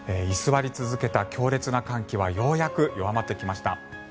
居座り続けた強烈な寒気はようやく弱まってきました。